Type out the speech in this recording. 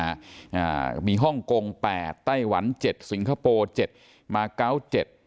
อ่ามีฮ่องกงแปดไต้หวันเจ็ดสิงคโปร์เจ็ดมาเก้าเจ็ด